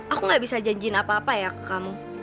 aku gak bisa janjiin apa apa ya ke kamu